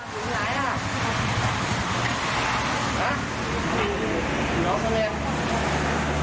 หยุดแล้วไงบ้านอยู่ตรงไหนรู้มั้ย